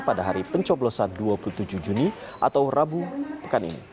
pada hari pencoblosan dua puluh tujuh juni atau rabu pekan ini